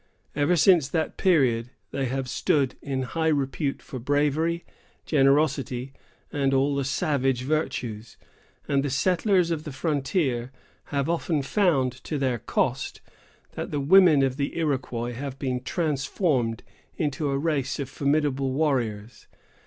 Ever since that period, they have stood in high repute for bravery, generosity, and all the savage virtues; and the settlers of the frontier have often found, to their cost, that the women of the Iroquois have been transformed into a race of formidable warriors.